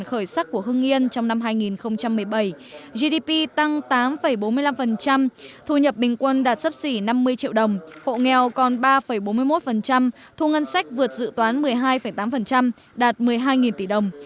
khởi sắc của hương yên trong năm hai nghìn một mươi bảy gdp tăng tám bốn mươi năm thu nhập bình quân đạt sấp xỉ năm mươi triệu đồng hộ nghèo còn ba bốn mươi một thu ngân sách vượt dự toán một mươi hai tám đạt một mươi hai tỷ đồng